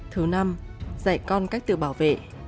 thứ năm dạy con cách tự bảo vệ